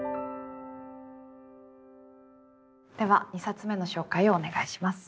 では２冊目の紹介をお願いします。